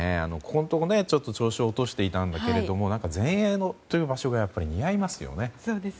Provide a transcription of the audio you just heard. ここのところちょっと調子を落としていたんだけれども全英という場所がやっぱり似合いますよね。